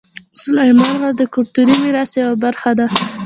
سلیمان غر د کلتوري میراث یوه برخه ده.